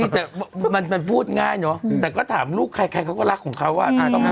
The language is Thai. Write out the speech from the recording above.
แต่มันพูดง่ายเนอะแต่ก็ถามลูกใครใครเขาก็รักของเขาอ่ะ